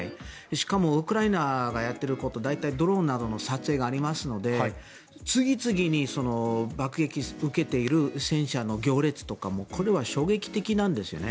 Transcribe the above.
しかもウクライナがやってること大体ドローンなどの撮影がありますので次々に爆撃を受けている戦車の行列とかもこれは衝撃的なんですよね。